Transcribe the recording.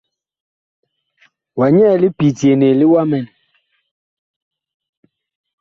Wa nyɛɛ li pityene li wamɛn.